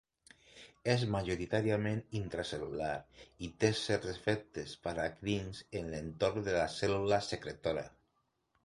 És majoritàriament intracel·lular i té certs efectes paracrins en l'entorn de la cèl·lula secretora.